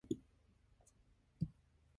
Blink was indeed on the map!